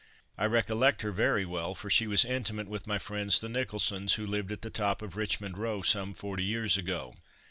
I recollect her very well, for she was intimate with my friends, the Nicholsons, who lived at the top of Richmond row some forty years ago.